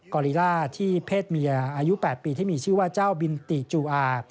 อลิล่าที่เพศเมียอายุ๘ปีที่มีชื่อว่าเจ้าบินติจูอา